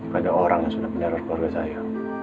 pada orang yang sudah mendarat keluarga saya